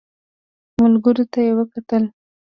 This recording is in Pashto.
ملګرو ته يې وکتل.